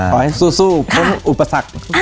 ขอให้สู่พ้นอุปกษัตริย์